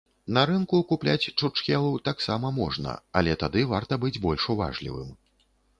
На рынку купляць чурчхелу таксама можна, але тады варта быць больш уважлівым.